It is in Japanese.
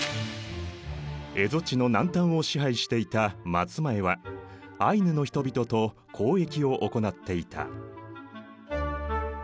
蝦夷地の南端を支配していた松前はアイヌの人々と交易を行っていた。